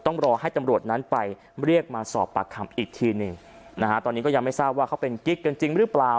ต้องรอให้ตำรวจนั้นไปเรียกมาสอบปากคำอีกทีหนึ่งนะฮะตอนนี้ก็ยังไม่ทราบว่าเขาเป็นกิ๊กกันจริงหรือเปล่า